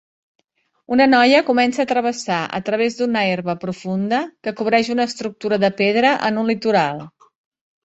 Una noia comença a travessar a través d'una herba profunda que cobreix una estructura de pedra en un litoral.